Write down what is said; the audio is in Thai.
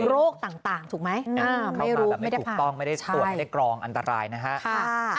โรคต่างต่างถูกไหมอืมไม่รู้ไม่ได้ผ่านไม่ได้ตรวจไม่ได้กรองอันตรายนะฮะค่ะ